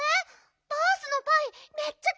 バースのパイめっちゃ小さい。